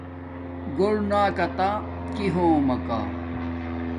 گھور نا کاتی کہ ہوم ماکا